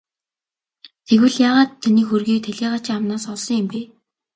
Тэгвэл яагаад таны хөрөгийг талийгаачийн амнаас олсон юм бэ?